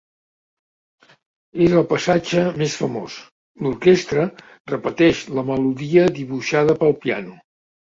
És el passatge més famós, l'orquestra repeteix la melodia dibuixada pel piano.